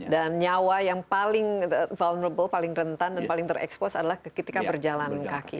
dan nyawa yang paling vulnerable paling rentan paling terekspos adalah ketika berjalan kaki